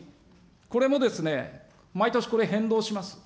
これも毎年これ、変動します。